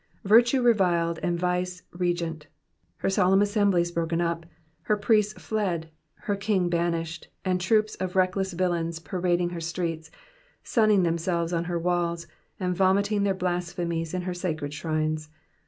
Virtue reviled and vice regnant I Her solemn assemblies broken up, her priests fled, her king banished, and troops of reckless villains parading her streets, sunning themselves on her walls, and vomiting their blasphemies in her sacred shrines.